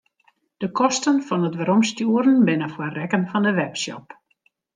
De kosten fan it weromstjoeren binne foar rekken fan de webshop.